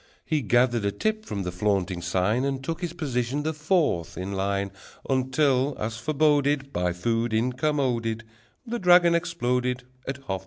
He gathered a tip from the flaunting sign, And took his position the fourth in line, Until, as foreboded, By food incommoded, The dragon exploded At half past nine.